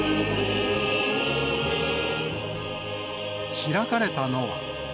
開かれたのは。